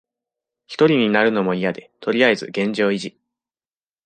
ひとりになるのもいやで、とりあえず現状維持。